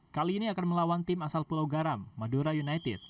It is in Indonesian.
kali ini akan melawan tim asal pulau garam madura united